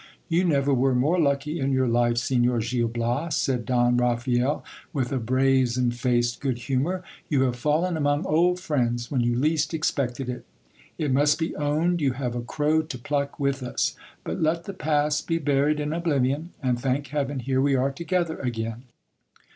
You never were more lucky in vour life, Signor Gil Bias, said Don Raphael, with a brazenfaced good humour : you have fallen among old friends when you least expected it. It must be owned you have a crow to pluck with us ; but let the past be buried in oblivion, and thank heaven, here we are together again.